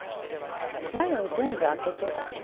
前を全部開けてですね